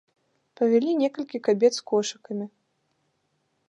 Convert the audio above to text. Павялі некалькі кабет з кошыкамі.